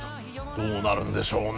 どうなるんでしょうね。